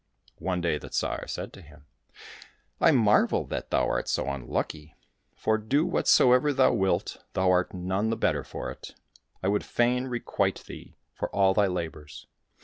One day the Tsar said to him, " I marvel that thou art so unlucky, for do whatso ever thou wilt, thou art none the better for it. I would fain requite thee for all thy labours."